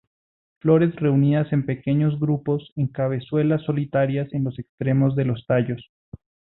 Flores reunidas en pequeños grupos en cabezuelas solitarias en los extremos de los tallos.